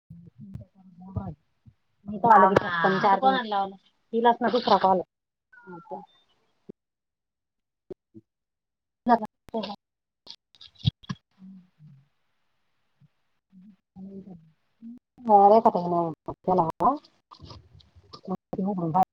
[unintelligible] [unintelligible] हिलाच ना दुसरा कॉल. [inaudible] ह [unintelligible] [unintelligible] [unintelligible]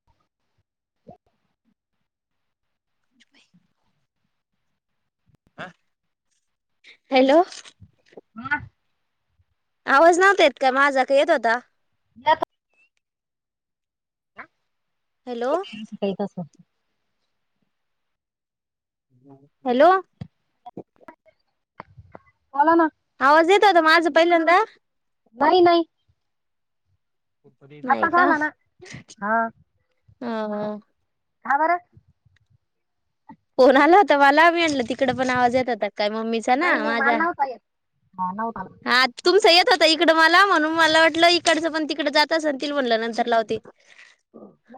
हॅलो, हां.. आवाज नव्हता का येत, माझा का येत होता. या [unintelligible] हॅलो [unintelligible] तसं. हॅलो, बोला ना. आवाज येत होता, माझं पहिल्यांदा. नाही नाही. नाही आता का आला ना, हा ह का बरं. फोन आला होता मला मी, म्हणलं तिकडे पण आवाज येत होता काय मम्मीचा. ना नाही नाही मला माझ्या नव्हता येत, [unintelligible] हा तुमचं येत होता इकडं मला, म्हणून मला वाटलं इकडचं पण तिकड जात अस म्हणलं नंतर. लावती.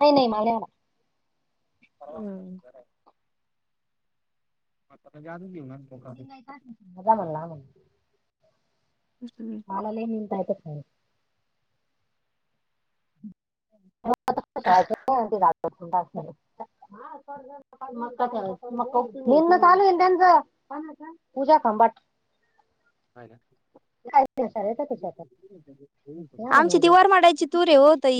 नाही नाही मला नाही आला. आता काय [unintelligible] [unintelligible] लांबून लांबून. नुस्त मी मला निंता येतात [unintelligible] [unintelligible] [unintelligible] निम्म चालू आहे ना त्यांच. पूजा कामबाट. येतात ते शेतात या म्हणे आमची ति उद्या वर माडायची. तु रे ओ ताई.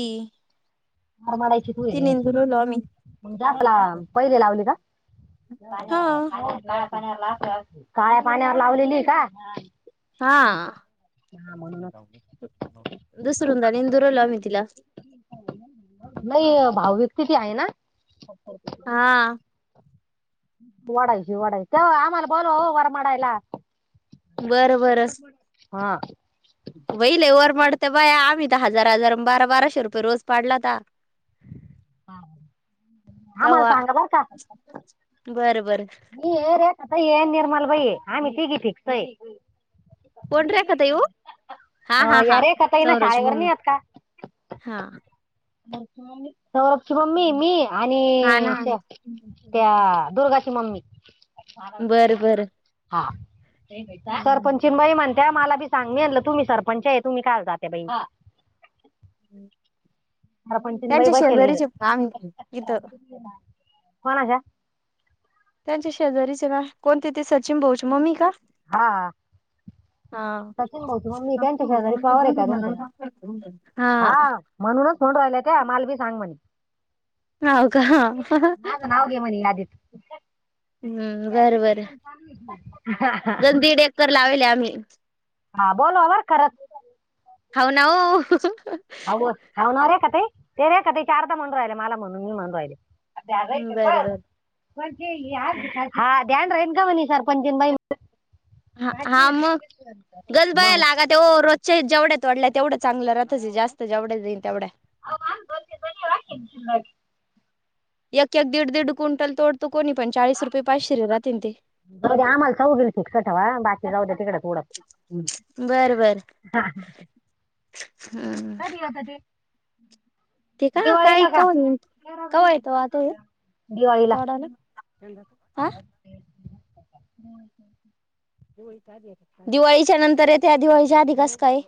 हार मारायची ती तूयरेची निंदुरलो आम्ही मग, आपले पहिले लावली का. हा काळ्या पाण्यावर लावलेली कां. हा दुसुररुनदा [unintelligible] आम्ही तिला. नाही भाव व्यक्ती ती आहे ना. [inaudible] हां.. शिवाडा आहे शिवाडा आहे, त्या आम्हाला बोलवा हो वारा मळायला. बरं हां. वहि लय वर मडते बाया आम्ही तर हजार-हजार बारा-बाराशे रुपये रोज पाडलाता. कांवं तेव्हा बरं बरं. मी ये रेखाताई ये निर्मलबाई, आम्ही तिघी फिक्स आहे. कोण रेखा ताई ओ हा यारे कताई ना, शाळेवर नि आत का. हा.. सौरभची मम्मी, मी हा आणि ना चो त्या दुर्गाची मम्मी. बरं बरं हां.. सरपंचीन बाई म्हणत्या मला बी सांग मी म्हणलं तुम्ही सरपंच आहे तुम्ही काय जात्या बाई. मला पंचनबाई त्यांच्या बसवले शेजारीच आहे आम्ही इथं कोणाच्या. त्यांच्या शेजारीच ना कोणते ते, सचिन भाऊचे मम्मी का. हा. हा सचिन भाऊ मम्मी हा तेच्या, शेजारी फ्लावर आहे का तुमचं हां.. म्हणूनच फोन राहिलाय का माला बी सांग म्हणे. हाव का माझं नाव घे, म्हणे यादीत. हम्म बरं बरं [unintelligible] कुकर लावले आम्ही. हां बोलवा बरं खरंच. हौव ना ओ. हौव ना ओ रेखाताई ते, रेखाताई चारदा म्हणून राहिले मला म्हणून मी म्हणून राहिले. हां.. बरं बरं ध्यान राही का म्हणे, सरपंचीन बाईन हा [unintelligible] तो रोजच्या जेवढ्या तोडल्या तेवढं, चांगलं राहतं आहे जास्त जेवढे जाईल तेवढ्या. अ राखे [unintelligible] एक एक दीड दीड क्विंटल तोडतो, कोणी पण चाळीस रुपये पाचशे राहतील ते. आम्हा चौ गेल फिक्स ठेवा, बाकी जाऊ द्या तिकडेच उडत. बरं बरं हम्म. े [unintelligible] [inaudible] ते का काही का मंग कव्हा येतो आतो हे दिवाळीला कडाला. कां दिवाळीच्या नंतर येते, दिवाळीच्या आधी कसं कायं.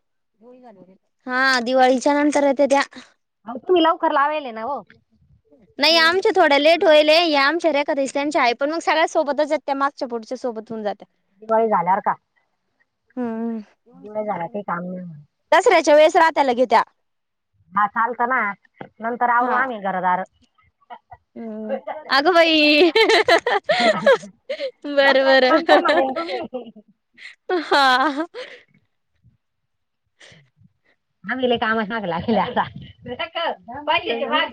हा दिवाळीच्या नंतर येत त्या. तु लवकर लाविली ना ओ. नाही आमच्या थोड्या लेट तु यले यामच्याऱ्या [unintelligible] आहे पण मग सगळ्या सोबतच जात्या मागच्या पुढच्या सोबतून जात्या. गावं जाणार का? हम्म. दिवाळी झाल्यावर काही काम नाही म्हणून दसऱ्याच्या वेळेस राताला घेेत्या. हां चालत ना, नंतर आवरू हा. आम्ही घरदार. हम्म अगं बाई. बरं बरं हा हा. ह मांगलेले काम असणार ह्याला. हे दाब दाब बरं. मैतीला.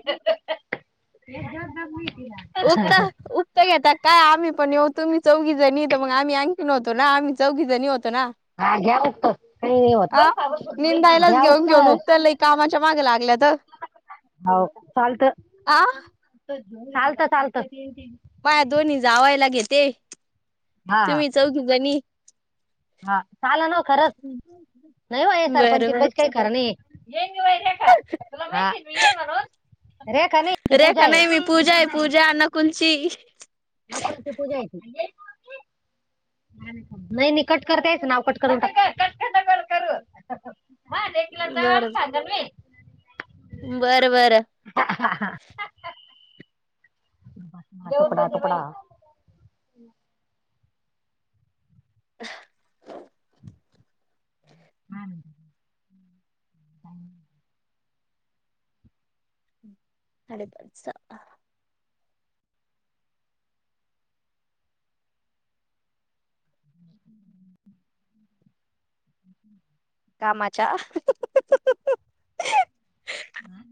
[unintelligible] त घेता का आम्ही पण येऊ तुम्ही चौघी जणी येते मंग आम्ही आणखीन होतो ना आम्ही चौघी जणी होतो ना. हा घ्या उक्त काही नाही होत आ? निंदाआईलाच घ्या घेऊन उक्त गेलो त्या लई कामाच्या मागं लागल्यात. तर हाव चालतं आ चालतं चालतं. माया दोन्ही जावायला घेते हा हा तुम्ही चौगी बणी. हा चाला ना ओ खरंच. नाही बाई हे बर सरपंचिन बर बाईचं काही खरं नाही. तुला माहितीये मी म्हणून, रेखा नाही ती पूजा रेखा आहे. नाही मी पूजा आहे पूजा नकुलची नाव कोणती पूजा येती. नाही नाही कट करते याचं नाव कट करून टाक. हा लेकीला दार खासदार वे. बरं बरं. हम्म. [unintelligible] [unintelligible] हा. आणि बस जा. [inaudible] [inaudible] कामाच्या आं.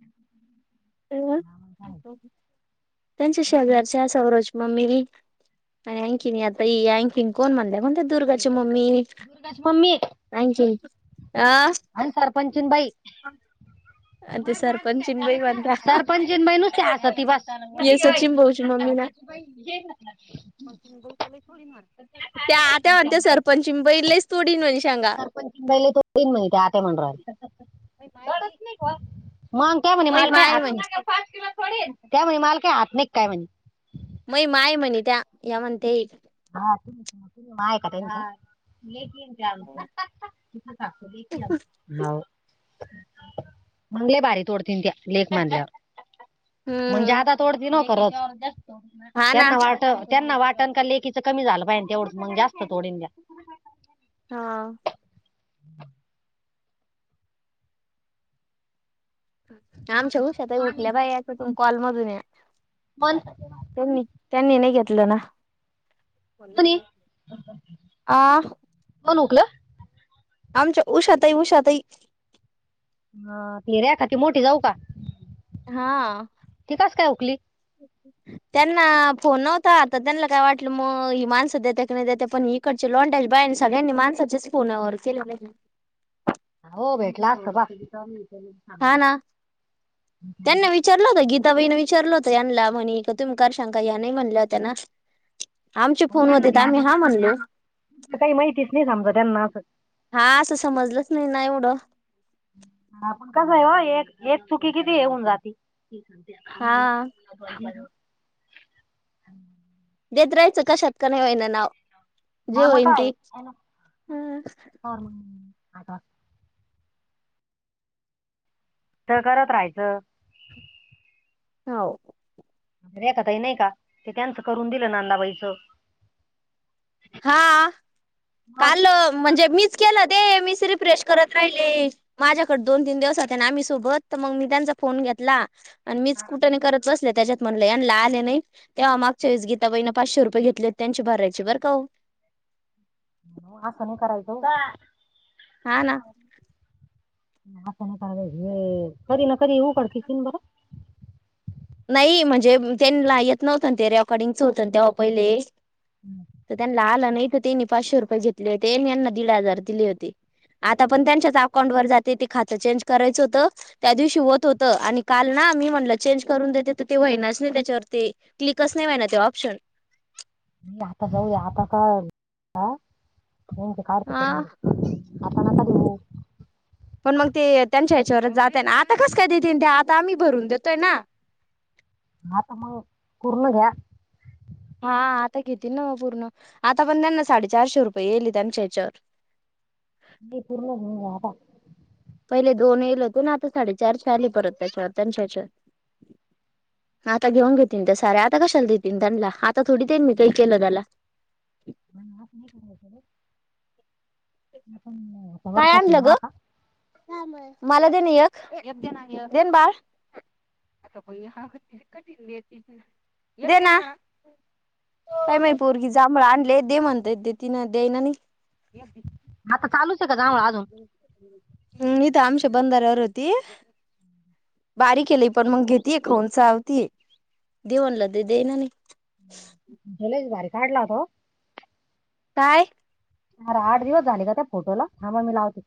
[inaudible] [unintelligible] त्यांच्या शेजारची असाव रोज मम्मीरी पण एणखीनी आत्ता ही एणखीन कोण म्हटलं म्हणलं तर दुर्गाच्या मम्मीनी. दुर्गाची मम्मी एणखीन आं अन सरपंचीन बाई ते सरपंचीनबाई म्हणता सरपंचीन बाई नुसती हस्ती बस. ये की सचिन भाऊची मम्मी ना बाई घे [unintelligible] तर खायला काय घेऊ सांग? सरपंचिन बाई लईच तोंडीन माझी शेंगा. सरपंचीन बाईले दोन तीन मुलगे आत्या म्हणून राहिले. कळत नाही का मंग त्या म्हणे मई माल काय माय आत म्हण नाही, त्या म्हणे माल काय आत नाही काय म्हणे. मई माय म्हणे त्या या म्हणते. हा हाय का. [unintelligible] टाक-टाक तिथं टाकून ये की [unintelligible] हाव मंग लय बारी तोडतीन त्या लेख मांडल्यावर. म्हणजे हम्म आत्ता तोडती न्हव का रोज हा ना त्यांना वाट त्यांना वाटण का लेकीच कमी झालं पाहिजेन तेवढच, मग जास्त तोडिल द्या. हां. आमच्या उषातही उठल्या बाई, एकदाचा या कॉलमधून या. मन. त्यांनी त्यांनी नाही घेतलं ना. कोणी आ... कोण उकलं आमच्या उषा ताई उषा ताई हा ती रेखाची मोठी जाऊ का? हा.. ती कसं काय हुकली. त्यांना फोन नव्हता आता त्यांना, काय वाटलं मग हि माणस देत्या काय नाही देत्या पण ही. तिकडच्या लोंडेश, बाईंनी सगळ्यांनी माणसांच्या चं फोनवर केले आहे. हो भेटला कबा. हां ना, त्यांना विच विचारलं होत गीता बाईनं विचारलं होतं यानला म्हणी का तुम कारशंका घ्या, नाही म्हणल्या होत्या ना. आमच्या हो त्यांना फोनमध्ये तर, ते असं आम्ही हा म्हणलो. काही माहितीच नाही, समजा त्यांना असं. हा.. असं समजलंच नाही ना एवढं. आपण कसं आहे ओ, एक एक चुकी किती हे हून जाती. हां हा बरं. देत राहायचं कशात का होईना नाव. जे हां.. मग होईन काय ते हेना, हो तर मग आता. तर घरात राहायचं. हौव. रेखताई नाही का ते, त्यांचं करून दिलं नंदाबाईचं. हा मग काल म्हणजे, मीच केलं दे मीच रिफ्रेश करत राहिले. माझ्याकडे दोन तीन दिवस होते ना, आम्ही सोबत तर मग मी त्यांचा फोन घेतला. आणि मीच कुटाने करत. बसले तेच्यात, म्हणले हेन ला आले नाही. तेव्हा मागच्या वेळेस गिताबाईनं पाचशे रुपये घेतले, त्यांची भरायचे बर का ओ. आस नाही करायचं ओ. हा ना. ह नाही कराय हे, कधी ना कधी उघडकीस येईल बरं. नाही म्हणजे त्यांना येत नव्हतं, ते रेकॉर्डिंगच होतं तेव्हा पहिले. हम्म. तर त्यांना आलं नाही तर त्यांनी, पाचशे रुपये घेतले होते यांना दीड हजार दिले होते. आता पण त्यांच्याच अकाउंट वर जाते, ते खात चेंज करायचं होतं. त्या दिवशी होतं होत, आणि काल ना मी म्हटलं चेंज. करून देत तर ते व्हइनाच नाही, त्याच्यावरती क्लिकच होईना ते ऑप्शन्स. नाही आता जाऊया आता काय, ते काढ ते करून हा घे. आता नका देऊ. पण मग ते त्यांच्या हेच्यावरच जातय ना, आता कस काय देतीलन ते आता आम्ही भरून देतोय ना. आता मग पूर्ण घ्या. हा आता घेतील ना पूर्ण, आता पण त्यांना साडेचारशे रुपये येईल त्यांच्या हेच्यावर. नै पुर्ण हो आता. पहिले दोन येलो होतो ना, आता साडेचारशे आले परत त्याच्या येण्यावर. आता घेवून घेतील ते साऱ्यात. आता कशाला देतील त्यांना, आता थोडी देन मी काही केलं त्याला. [unintelligible] काय आणल ना गं. आता मला देन एक, देन बाळ. देना. काय माय पोरगी जांभळ आणले, दे म्हणते तिन देई ना ती. आता चालूच आहे का, जांवळ अजून. हं इथं आमच्या बंदार वर होती. बारी केली पण मग घेते खाऊन चावती देम्हणलं तर दे ना नाही. ह्यो लईच भारी काढला होता ओ. काय? अरे आठ दिवस झाले का, त्या फोटोला थांबा मग मी लावते.